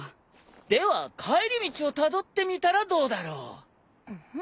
では帰り道をたどってみたらどうだろう？ん？